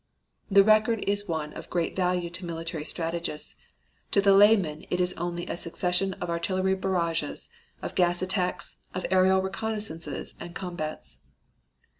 The record is one of great value to military strategists, to the layman it is only a succession of artillery barrages, of gas attacks, of aerial reconnaissances and combats.